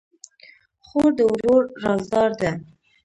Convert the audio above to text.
خور د ورور رازدار ده.